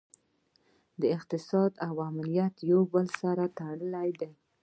اقتصاد او امنیت یو له بل سره تړلي دي